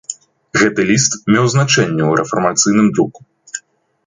Гэты ліст меў значэнне ў рэфармацыйным друку.